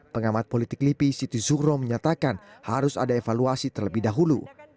pengamat politik lipi siti zuhro menyatakan harus ada evaluasi terlebih dahulu